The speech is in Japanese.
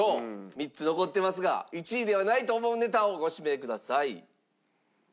３つ残ってますが１位ではないと思うネタをご指名ください。